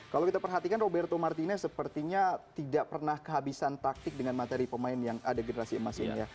kalau kita perhatikan roberto martina sepertinya tidak pernah kehabisan taktik dengan materi pemain yang ada generasi emas ini ya